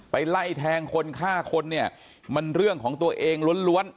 ไล่แทงคนฆ่าคนเนี่ยมันเรื่องของตัวเองล้วน